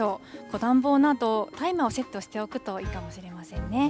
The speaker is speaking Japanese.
暖房など、タイマーをセットしておくといいかもしれませんね。